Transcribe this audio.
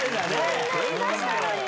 こんなに出したのに！